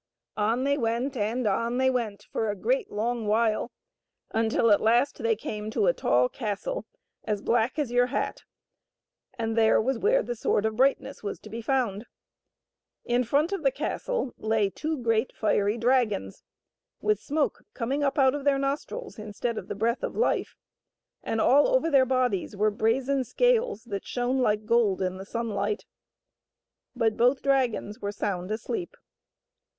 On they went and on they went for a great long while, until at last they came to a tall castle as black as your hat, and there was where the Sword of Brightness was to be found. In front of the castle gate lay two great fiery dragons, with smoke coming up out of their nostrils instead of the breath of life, and all over their bodies were brazen scales that shone like gold in the sunlight. But both drs^ons were sound asleep.